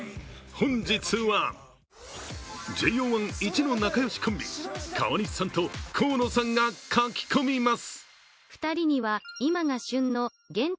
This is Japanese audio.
本日はＪＯ１いちの仲良しコンビ、川西さんと河野さんがかき込みます。